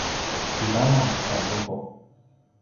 ivala tjai vuvu